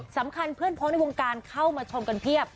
เพื่อนพ้องในวงการเข้ามาชมกันเพียบ